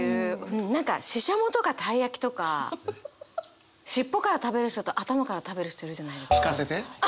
何かししゃもとかたい焼きとか尻尾から食べる人と頭から食べる人いるじゃないですか。